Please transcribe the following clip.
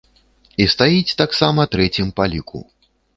І стаіць таксама трэцім па ліку.